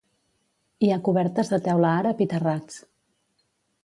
Hi ha cobertes de teula àrab i terrats.